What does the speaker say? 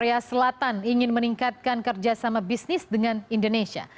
korea selatan ingin meningkatkan kerjasama bisnis dengan indonesia